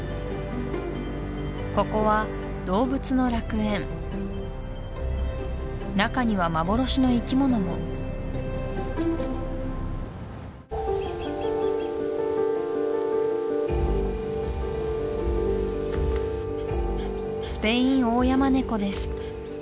ここは動物の楽園中には幻の生きものもスペインオオヤマネコです